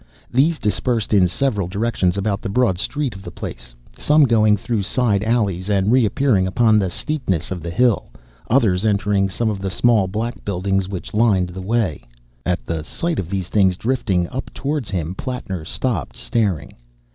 These dispersed in several directions about the broad street of the place, some going through side alleys and reappearing upon the steepness of the hill, others entering some of the small black buildings which lined the way. At the sight of these things drifting up towards him, Plattner stopped, staring.